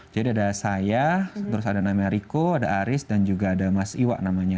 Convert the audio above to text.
jadi ada saya terus ada namanya rico ada aris dan juga ada mas iwa namanya